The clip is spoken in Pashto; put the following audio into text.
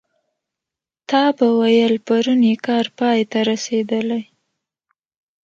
تا به ویل پرون یې کار پای ته رسېدلی.